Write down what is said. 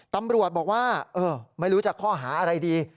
ตำรวจบอกว่าไม่รู้จะข้อหาอะไรดี